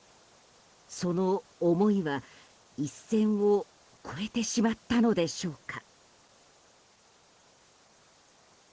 その思いは一線を超えてしまったのでしょうか。